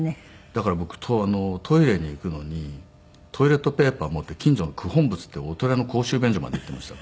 だから僕トイレに行くのにトイレットペーパー持って近所の九品仏っていうお寺の公衆便所まで行っていましたから。